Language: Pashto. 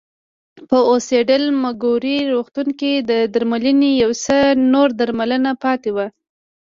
په اوسپیډل مګوري روغتون کې د درملنې یو څه نوره درملنه پاتې وه.